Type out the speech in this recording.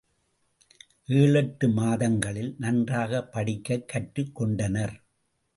ஏழெட்டு மாதங்களில் நன்றாகப் படிக்கக் கற்று கொண்டனர்.